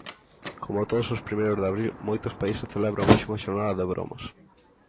Como todos os primeiros de abril, moitos países celebran hoxe unha xornada de bromas.